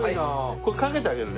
これかけてあげるね。